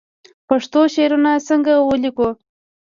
پښتو شعرونه څنګه ولیکو